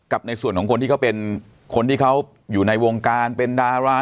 ในส่วนของคนที่เขาเป็นคนที่เขาอยู่ในวงการเป็นดารา